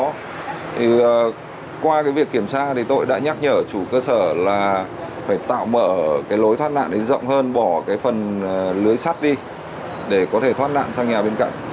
thì qua cái việc kiểm tra thì tôi đã nhắc nhở chủ cơ sở là phải tạo mở cái lối thoát nạn đấy rộng hơn bỏ cái phần lưới sắt đi để có thể thoát nạn sang nhà bên cạnh